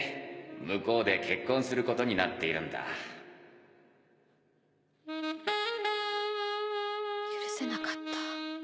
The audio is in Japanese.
向こうで結婚することになっているんだ許せなかった。